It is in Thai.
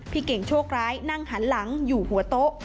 เก่งโชคร้ายนั่งหันหลังอยู่หัวโต๊ะ